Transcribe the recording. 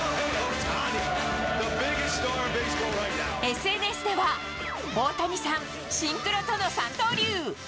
ＳＮＳでは大谷さん、シンクロとの三刀流。